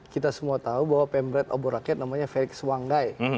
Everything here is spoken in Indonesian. kita semua tahu bahwa pemret obor rakyat namanya ferix wanggai